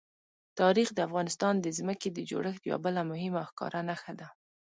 تاریخ د افغانستان د ځمکې د جوړښت یوه بله مهمه او ښکاره نښه ده.